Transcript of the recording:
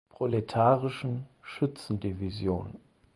Proletarischen Schützendivision.